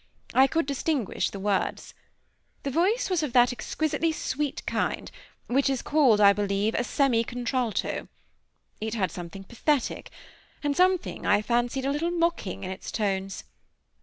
I could distinguish the words. The voice was of that exquisitely sweet kind which is called, I believe, a semi contralto; it had something pathetic, and something, I fancied, a little mocking in its tones.